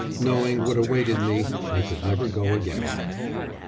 knowing what awaited me I could never go again."